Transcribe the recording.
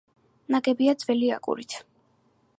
ნაგებია ძველი აგურით.